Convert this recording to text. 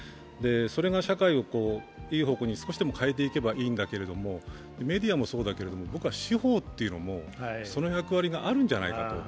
それが社会をいい方向に少しでも変えていけばいいんだけども、メディアもそうだけれども、司法というのもその役割があるんじゃないかと。